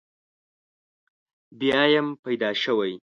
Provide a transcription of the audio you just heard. بیا یم پیدا شوی.